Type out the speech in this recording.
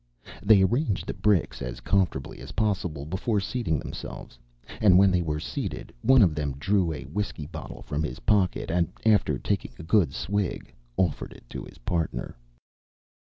They arranged the bricks as comfortably as possible before seating themselves, and when they were seated, one of them drew a whiskey bottle from his pocket and, after taking a good swig, offered it to his partner.